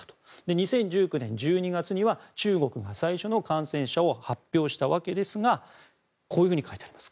２０１９年１２月には中国が最初の感染者を発表したわけですがこういうふうに書いてあります。